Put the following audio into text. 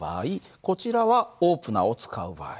こちらはオープナーを使う場合。